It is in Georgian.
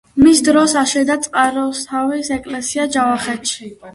მის დროს აშენდა წყაროსთავის ეკლესია ჯავახეთში.